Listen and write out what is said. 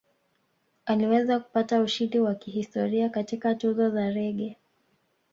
Aliweza kupata ushindi wa kihistoria katika Tuzo za Reggae